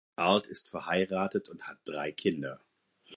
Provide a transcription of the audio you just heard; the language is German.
Arlt ist verheiratet und hat drei Kinder.